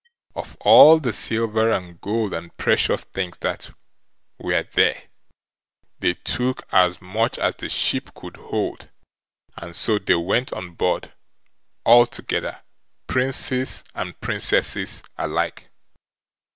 Of all the silver and gold and precious things that were there, they took as much as the ship could hold, and so they went on board altogether Princes and Princesses alike.